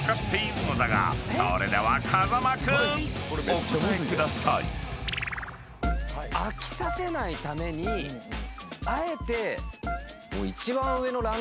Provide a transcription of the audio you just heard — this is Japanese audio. ［それでは風間君お答えください］飽きさせないためにあえて。